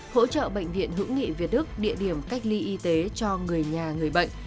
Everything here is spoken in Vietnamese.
hỗ trợ bệnh viện hữu nghị việt đức địa điểm cách ly y tế cho người nhà người bệnh